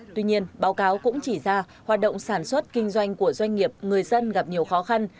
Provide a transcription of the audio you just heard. tuy nhiên báo cáo cũng chỉ ra hoạt động sản xuất kinh doanh của doanh nghiệp người dân gặp nhiều khó khăn